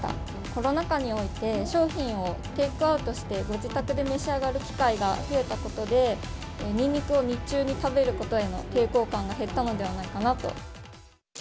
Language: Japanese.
コロナ禍において、商品をテイクアウトして、ご自宅で召し上がる機会が増えたことで、ニンニクを日中に食べることへの抵抗感が減ったのではないかなと。